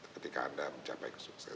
ketika anda mencapai kesuksesan